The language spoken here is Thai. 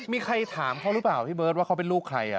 มีใครถามเขาหรือเปล่าพี่เบิร์ตว่าเขาเป็นลูกใคร